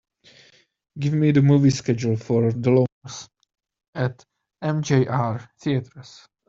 Give me the movie schedule for The Loners at MJR Theatres.